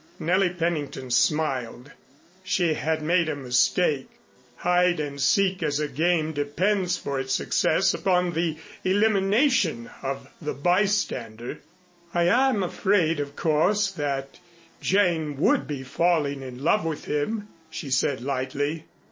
Nellie Pennington smiled. She had made a mistake. Hide and seek as a game depends for its success upon the elimination of the bystander. "I am afraid, of course, that Jane would be falling in love with him," she said lightly.